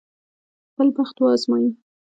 خپل بخت وازمايي.